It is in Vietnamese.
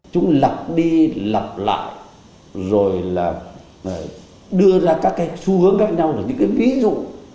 chúng lặp đi lặp lại rồi là đưa ra các xu hướng khác nhau những ví dụ